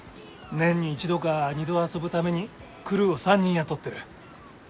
年に１度か２度遊ぶためにクルーを３人雇ってる。